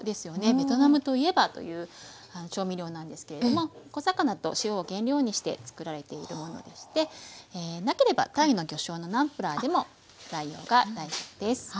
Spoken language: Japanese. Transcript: ベトナムといえばという調味料なんですけれども小魚と塩を原料にして作られているものでしてなければタイの魚醤のナムプラーでも代用が大丈夫です。